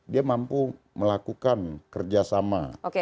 dia mampu melakukan kerjasama